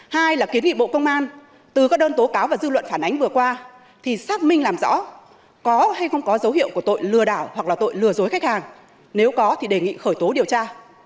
hai là kiến nghị bộ công an từ các đơn tố cáo và dư luận phản ánh vừa qua thì xác minh làm rõ có hay không có dấu hiệu của tội lừa đảo hoặc là tội lừa dối khách hàng nếu có thì đề nghị khởi tố điều tra